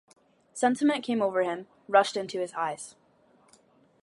Sentiment came over him, rushed into his eyes.